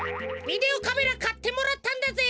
ビデオカメラかってもらったんだぜ。